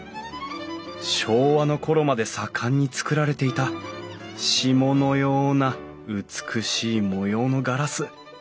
昭和の頃まで盛んに作られていた霜のような美しい模様のガラス。